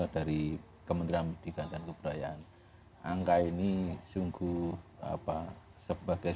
dari segi literasi